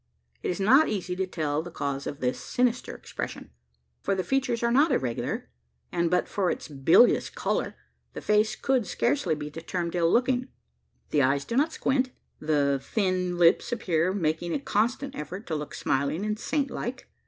It is not easy to tell the cause of this sinister expression: for the features are not irregular; and, but for its bilious colour, the face could scarcely be termed ill looking. The eyes do not squint; and the thin lips appear making a constant effort to look smiling and saint like.